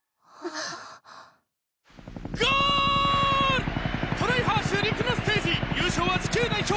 ハーシュ陸のステージ優勝は地球代表